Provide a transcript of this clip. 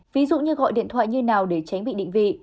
ví dụ như gọi điện thoại như nào để tránh bị định vị